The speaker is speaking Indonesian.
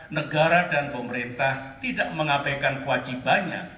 negara dan pemerintah tidak mengabaikan kewajibannya